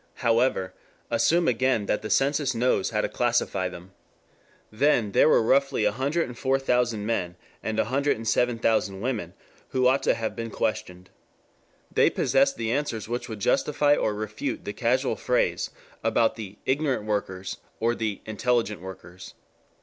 However, assume again that the census knows how to classify them. Then there were roughly 104,000 men and 107,000 women who ought to have been questioned. They possessed the answers which would justify or refute the casual phrase about the "ignorant workers" or the "intelligent workers."